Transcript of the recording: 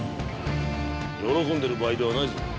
喜んでいる場合ではない。